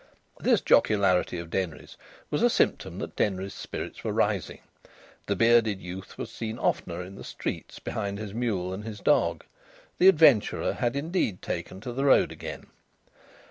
This jocularity of Denry's was a symptom that Denry's spirits were rising. The bearded youth was seen oftener in the streets behind his mule and his dog. The adventurer had, indeed, taken to the road again.